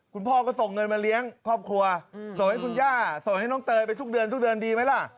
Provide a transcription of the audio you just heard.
คุณพ่อก็ส่งเงินมาเลี้ยงครอบครัวส่งให้คุณย่าส่งให้น้องเตยไปทุกเดือนทุกเดือนดีไหมล่ะ